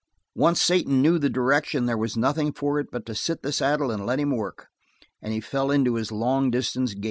Once Satan knew the direction there was nothing for it but to sit the saddle and let him work, and he fell into his long distance gait.